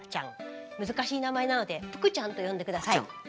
難しい名前なので腹ちゃんと呼んで下さい。